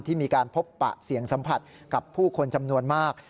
ที่มีการพบปะเสี่ยงสัมผัสกับผู้คนจำนวนมาก